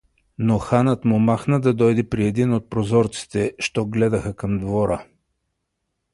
Но ханът му махна да дойде при един от прозорците, що гледаха към двора.